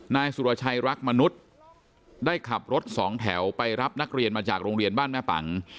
นายสุรชัยรักมนุษย์ได้ขับรถสองแถวไปรับนักเรียนมาจากโรงเรียนบ้านแม่ปัง